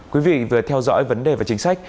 quý vị vừa theo dõi vấn đề về chính sách